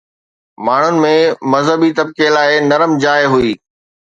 ماڻهن ۾ مذهبي طبقي لاءِ نرم جاءِ هئي